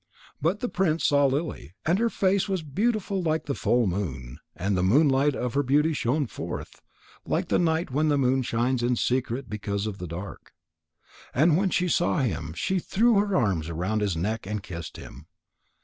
But the prince saw Lily, and her face was beautiful like the full moon, and the moonlight of her beauty shone forth, like the night when the moon shines in secret because of the dark. And when she saw him, she threw her arms around his neck and kissed him.